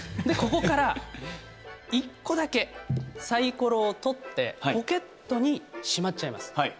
でここから１個だけサイコロを取ってポケットにしまっちゃいます。